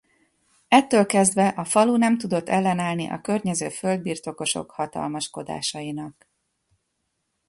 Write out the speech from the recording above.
Ettől kezdve a falu nem tudott ellenállni a környező földbirtokosok hatalmaskodásainak.